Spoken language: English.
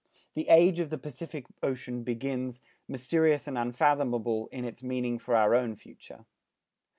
The age of the Pacific Ocean begins, mysterious and unfathomable in its meaning for our own future.